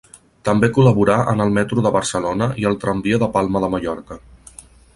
També col·laborà en el Metro de Barcelona i el tramvia de Palma de Mallorca.